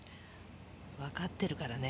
わかっているからね。